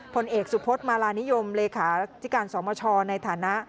ผลเอกสุพธมาลานิยมเลขาธิการสมชในฐานะ